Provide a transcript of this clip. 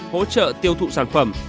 hỗ trợ tiêu thụ sản phẩm